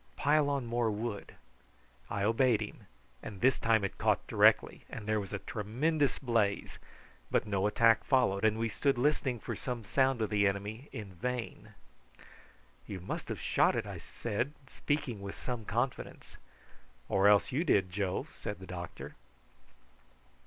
"Pile on more wood." I obeyed him, and this time it caught directly and there was a tremendous blaze, but no attack followed; and we stood listening for some sound of the enemy in vain. "You must have shot it," I said, speaking with some confidence. "Or else you did, Joe," said the doctor.